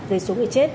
về số người chết